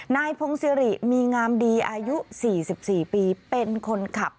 นายพงศิริมีงามดีอายุ๔๔ปีเป็นคนขับ